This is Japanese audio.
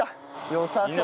よさそう。